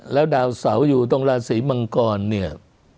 แล้วดาวเสาอยู่ตรงราศีมังกรเนี่ย